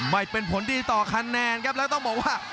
ไม่เป็นผลดีต่อคะแนนครับแล้วต้องบอกว่า